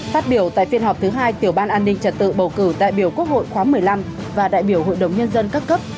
phát biểu tại phiên họp thứ hai tiểu ban an ninh trật tự bầu cử đại biểu quốc hội khóa một mươi năm và đại biểu hội đồng nhân dân các cấp